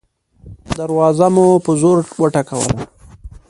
دروازه مو په زوره وټکوله.